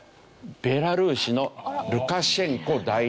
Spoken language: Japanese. ベラルーシのルカシェンコ大統領。